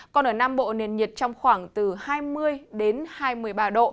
còn ở nam bộ nền nhiệt trong khoảng từ hai mươi đến hai mươi ba độ